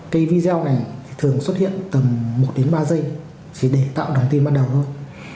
cái video này thường xuất hiện tầm một đến ba giây chỉ để tạo lòng tin ban đầu thôi